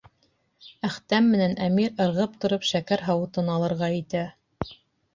Әхтәм менән Әмир ырғып тороп шәкәр һауытын алырға итә.